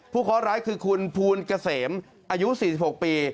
ผู้ขอร้ายคือคุณภูนิเกษมอายุ๔๖ปี